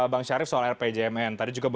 bang syarif soal rpjmn tadi juga